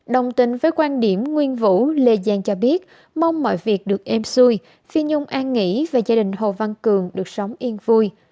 đồng tình với quan điểm nguyên vũ lê giang cho biết mong mọi việc được êm xuôi phi nhung an nghĩ và gia đình hồ văn cường được sống yên vui